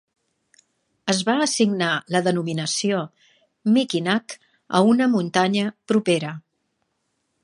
Es va assignar la denominació Mikinak a una muntanya propera.